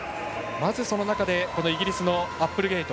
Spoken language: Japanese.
まず、その中でイギリスのアップルゲイト。